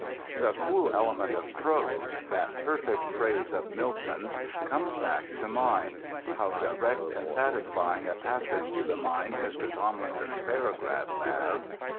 "The cool element of prose," that perfect phrase of Milton's, comes back to mind. How direct and satisfying a passage to the mind Mr. Tomlinson's paragraphs have.